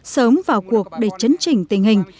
sớm vào cuộc để chấn chỉnh tình hình